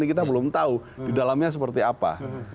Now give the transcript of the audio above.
kita belum tahu di dalamnya seperti apa